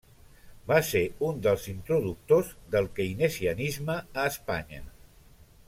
Va ser un dels introductors del keynesianisme a Espanya.